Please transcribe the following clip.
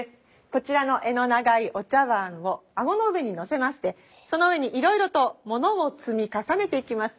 こちらの柄の長いお茶碗を顎の上にのせましてその上にいろいろと物を積み重ねていきます。